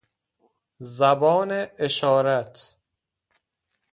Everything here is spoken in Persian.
زبان اشارت